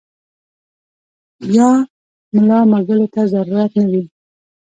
يا ملا مږلو ته ضرورت نۀ وي -